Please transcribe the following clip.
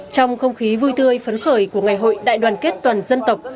trong không khí vui tươi phấn khởi của ngày hội đại đoàn kết toàn dân tộc